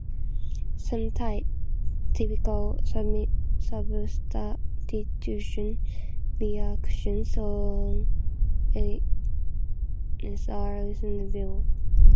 Some typical substitution reactions on arenes are listed below.